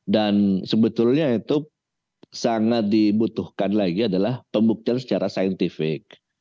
dan sebetulnya itu sangat dibutuhkan lagi adalah pembuktian secara saintifik